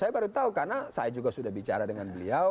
saya baru tahu karena saya juga sudah bicara dengan beliau